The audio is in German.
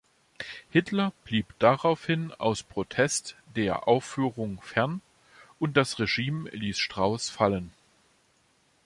Hitler blieb daraufhin aus Protest der Aufführung fern, und das Regime ließ Strauss fallen.